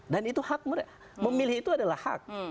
dan itu hak mereka memilih itu adalah hak